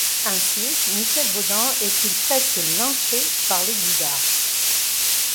Ainsi Michel Bodin est-il presque lynché par les gudards.